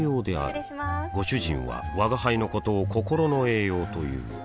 失礼しまーすご主人は吾輩のことを心の栄養という